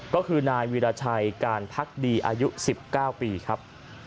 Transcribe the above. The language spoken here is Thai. ก็คือนายวีรชัยการพักดีอายุ๑๙ปีครับ